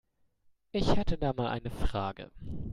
Ich hätte da mal eine Frage.